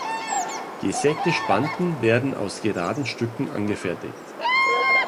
Gesägte Spanten werden aus geraden Stücken angefertigt.